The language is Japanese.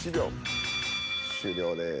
終了です。